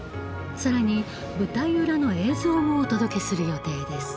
更に舞台裏の映像もお届けする予定です。